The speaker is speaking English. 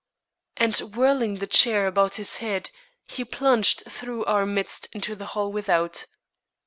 And whirling the chair about his head, he plunged through our midst into the hall without.